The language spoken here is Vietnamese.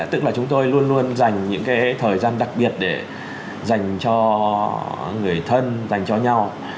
tức là chúng tôi luôn luôn dành những thời gian đặc biệt để dành cho người thân dành cho nhau